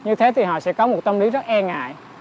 như thế thì họ sẽ có một tâm lý rất e ngại